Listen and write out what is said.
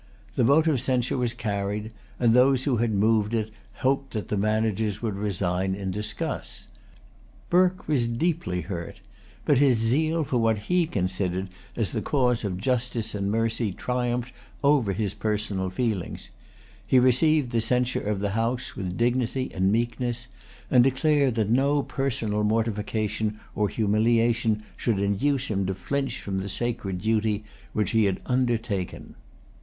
The vote of censure was carried; and those who had moved it hoped that the managers would resign in disgust. Burke[Pg 232] was deeply hurt. But his zeal for what he considered as the cause of justice and mercy triumphed over his personal feelings. He received the censure of the House with dignity and meekness, and declared that no personal mortification or humiliation should induce him to flinch from the sacred duty which he had undertaken.